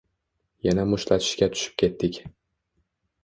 Yana mushtlashishga tushib ketdik.